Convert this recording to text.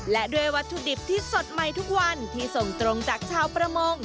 และด้วยวัตถุดิบที่สดใหม่ทุกวันที่ส่งตรงจากชาวประมง